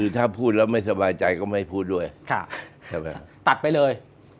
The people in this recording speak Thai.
ตัดไปเลย